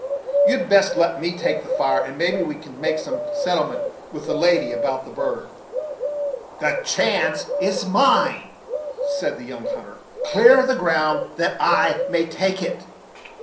You'd best let me take the fire, and maybe we can make some settlement with the lady about the bird." "The chance is mine," said the young hunter. "Clear the ground, that I may take it."